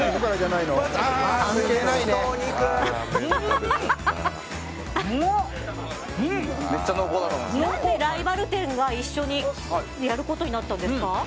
なぜライバル店が一緒にやることになったんですか？